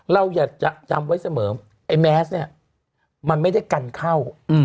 เราอยากจะจำไว้เสมอไอ้แมสเนี่ยมันไม่ได้กันเข้า